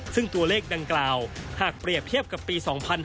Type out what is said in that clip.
ซึ่งตัวเลขดังกล่าวหากเปรียบเทียบกับปี๒๕๕๙